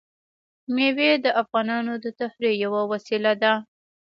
مېوې د افغانانو د تفریح یوه وسیله ده.